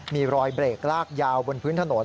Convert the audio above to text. มีรอยเบรกลากยาวบนพื้นถนน